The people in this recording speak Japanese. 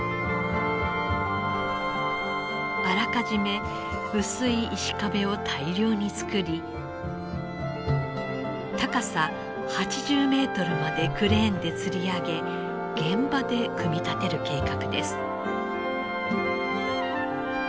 あらかじめ薄い石壁を大量に作り高さ８０メートルまでクレーンでつり上げ現場で組み立てる計画です。